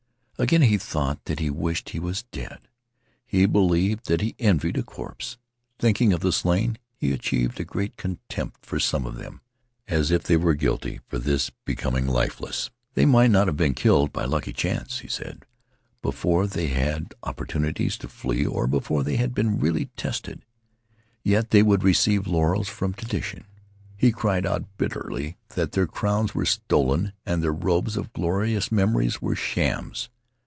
Again he thought that he wished he was dead. He believed that he envied a corpse. Thinking of the slain, he achieved a great contempt for some of them, as if they were guilty for thus becoming lifeless. They might have been killed by lucky chances, he said, before they had had opportunities to flee or before they had been really tested. Yet they would receive laurels from tradition. He cried out bitterly that their crowns were stolen and their robes of glorious memories were shams.